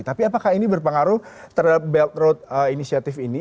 tapi apakah ini berpengaruh terhadap belt road initiative ini